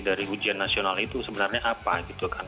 dari ujian nasional itu sebenarnya apa gitu kan